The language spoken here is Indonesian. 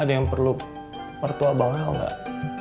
ada yang perlu pertua banga enggak